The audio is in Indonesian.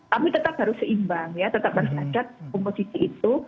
kami tetap harus seimbang ya tetap harus ada komposisi itu